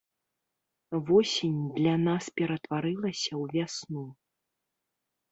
Восень для нас ператварылася ў вясну.